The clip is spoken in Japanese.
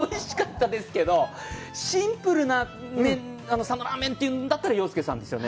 両方おいしかったですけど、シンプルな佐野ラーメンというんだったら、ようすけさんですね。